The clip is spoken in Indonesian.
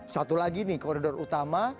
satu lagi nih koridor utama